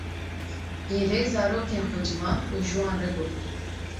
pîrê zarokên xwe civand û ji wan re got: